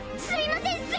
すいません！